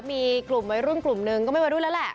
มีกลุ่มไว้รุ่นกลุ่มนึงก็ไม่มาดูแล้วแหละ